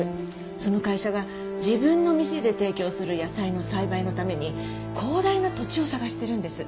その会社が自分の店で提供する野菜の栽培のために広大な土地を探してるんです。